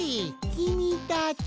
きみたち。